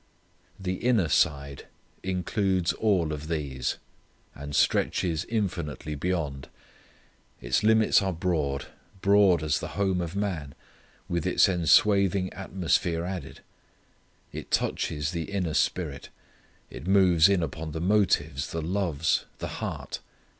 The inner side includes all of these, and stretches infinitely beyond. Its limits are broad; broad as the home of man; with its enswathing atmosphere added. It touches the inner spirit. It moves in upon the motives, the loves, the heart.